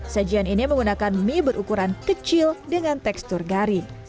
sajian ini menggunakan mie berukuran kecil dengan tekstur garing